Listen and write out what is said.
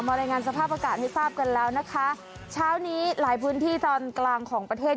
รายงานสภาพอากาศให้ทราบกันแล้วนะคะเช้านี้หลายพื้นที่ตอนกลางของประเทศ